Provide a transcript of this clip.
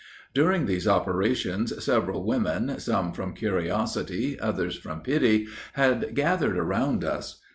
"During these operations, several women, some from curiosity, others from pity, had gathered around us.